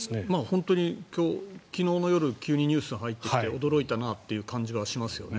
本当に昨日の夜急にニュースが入ってきて驚いたなという感じがしますよね。